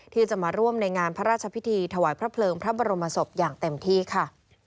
ที่จะมาร่วมในงานพระราชพิธีถวายพระเพลิงพระบรมศพอย่างเต็มที่ค่ะ